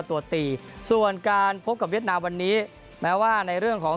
ตัวตีส่วนการพบกับเวียดนามวันนี้แม้ว่าในเรื่องของ